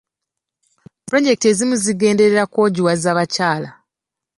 Pulojekiti ezimu zigenderera kwogiwaza bakyala.